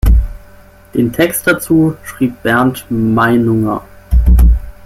Den Text dazu schrieb Bernd Meinunger.